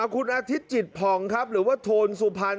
คุณอาทิตย์จิตผ่องครับหรือว่าโทนสุพรรณ